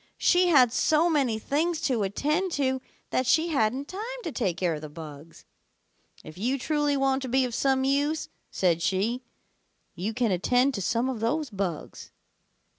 She had so many things to attend to that she hadn't time to take care of the bugs. 'If you truly want to be of some use,' said she, 'you can attend to some of those bugs.'